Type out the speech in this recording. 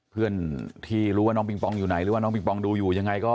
เพื่อนที่รู้ว่าน้องปิงปองอยู่ไหนหรือว่าน้องปิงปองดูอยู่ยังไงก็